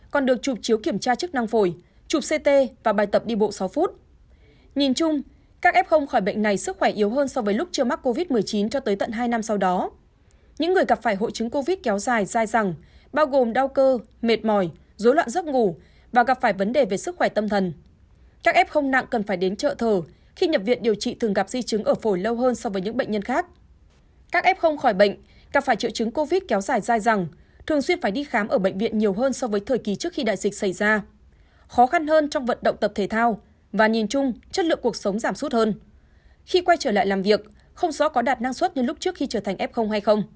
khi quay trở lại làm việc không rõ có đạt năng suất như lúc trước khi trở thành ép không hay không